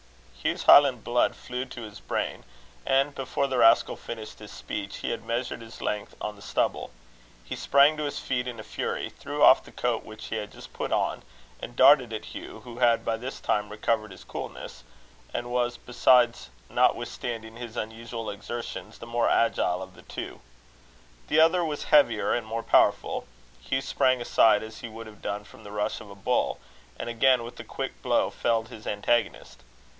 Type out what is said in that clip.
Hugh's highland blood flew to his brain, and before the rascal finished his speech, he had measured his length on the stubble. He sprang to his feet in a fury, threw off the coat which he had just put on, and darted at Hugh, who had by this time recovered his coolness, and was besides, notwithstanding his unusual exertions, the more agile of the two. The other was heavier and more powerful. Hugh sprang aside, as he would have done from the rush of a bull, and again with a quick blow felled his antagonist.